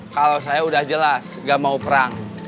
kalau saya udah jelas gak mau perang